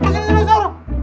masih ada sahur